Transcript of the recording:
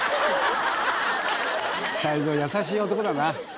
泰造優しい男だな。